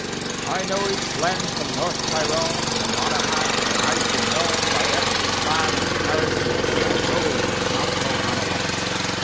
I know each glenn from North Tyrone To Monaghan, and I've been known By every dan dnd parish, since I rode with Count O'Hanlon."